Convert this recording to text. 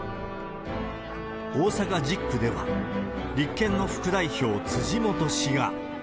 大阪１０区では、立憲の副代表、辻元氏が。